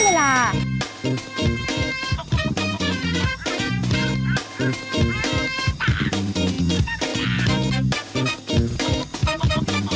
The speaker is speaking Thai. วันนี้เราไปกันก่อนแล้วค่ะ